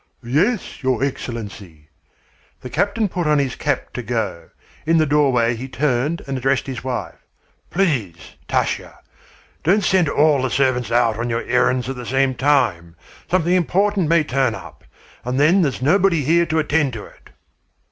"Yes, your Excellency." The captain put on his cap to go. In the doorway he turned and addressed his wife. "Please, Tasya, please don't send all the servants on your errands at the same time. Something important may turn up, and then there's nobody here to attend to it."